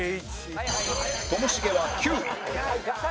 ともしげは９位